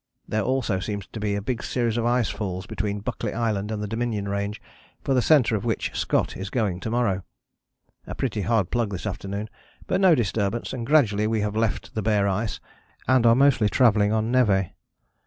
There also seems to be a big series of ice falls between Buckley Island and the Dominion Range, for the centre of which Scott is going to morrow. A pretty hard plug this afternoon, but no disturbance, and gradually we have left the bare ice, and are mostly travelling on névé.